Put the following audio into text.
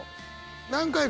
何回か